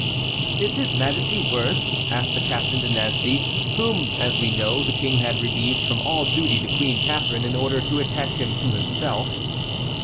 "Is his Majesty worse?" asked the Captain de Nancey, whom, as we know, the King had relieved from all duty to Queen Catharine in order to attach him to himself.